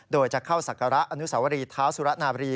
โดยจะเข้าศักระอนุสวรีเท้าสุรนาบรี